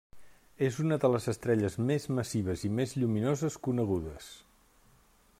És una de les estrelles més massives i més lluminoses conegudes.